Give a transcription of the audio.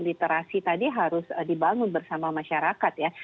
literasi tadi harus dibangun bersama masyarakat ya